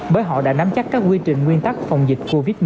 bởi họ đã nắm chắc các quy trình nguyên tắc phòng dịch covid một mươi chín